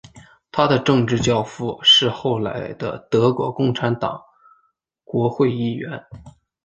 他的政治教父是后来的德国共产党国会议员。